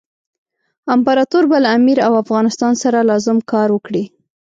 امپراطور به له امیر او افغانستان سره لازم کار وکړي.